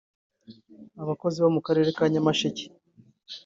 Abakozi bo mu karere ka Nyamasheke